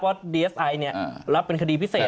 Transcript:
เพราะดีเอสไอร์รับเป็นคดีพิเศษแล้ว